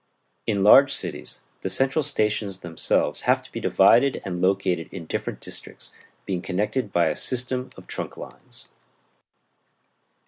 In large cities the central stations themselves have to be divided and located in different districts, being connected by a system of trunk lines.